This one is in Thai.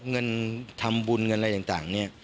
เงินทำบุญเงินอะไรต่างเนี่ย